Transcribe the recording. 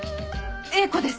英子です。